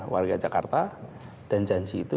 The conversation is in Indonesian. warga jakarta dan janji itu